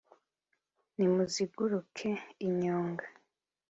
nimuziguruke inyonga,